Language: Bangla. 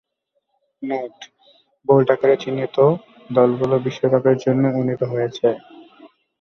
নোট: বোল্ড আকারে চিহ্নিত দলগুলো বিশ্বকাপের জন্য উন্নীত হয়েছে।